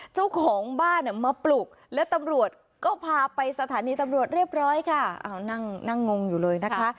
เจ้าของบ้านเนี่ยมาปลุกและตำรวจก็พาไปสถานีตำรวจเรียบร้อยค่ะนั่งนั่งงงอยู่เลยนะคะ